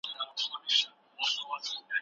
هغه یو ځل بیا د افغانستان واکمن شو.